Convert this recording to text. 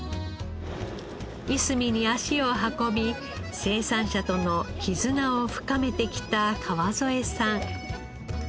いすみに足を運び生産者との絆を深めてきた川副さん。